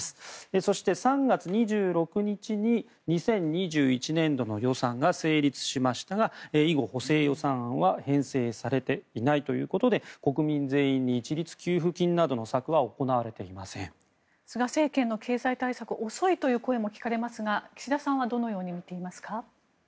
そして、３月２６日に２０２１年度の予算が成立しましたが以後、補正予算案は編成されていないということで国民全員に一律給付金などの策は菅政権の経済対策は遅いという声も聞かれますが岸田さんはどのように見ていますか？